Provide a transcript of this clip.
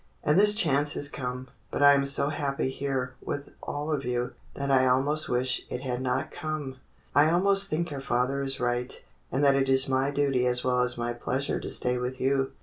And this chance has come. But I am so happy here with all of you that I almost wish it had not come. I almost think your father is right, and that it is my duty as well as my pleasure to stay with you."